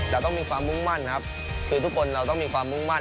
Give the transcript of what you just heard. เราต้องมีความมุ่งมั่นครับคือทุกคนเราต้องมีความมุ่งมั่น